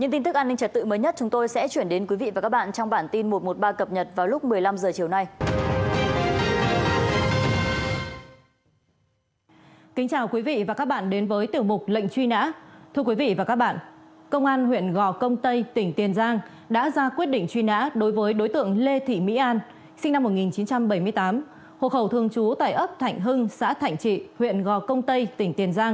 những tin tức an ninh trật tự mới nhất chúng tôi sẽ chuyển đến quý vị và các bạn trong bản tin một trăm một mươi ba cập nhật